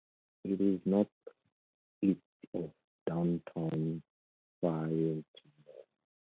It is northeast of downtown Fayetteville.